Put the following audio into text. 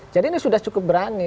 jadi ini sudah cukup berani